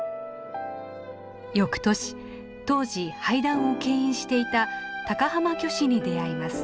翌年当時俳壇をけん引していた高浜虚子に出会います。